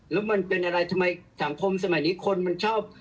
แล้วมันเป็นอะไรทำไมสังคมสมัยนี้คนมันชอบ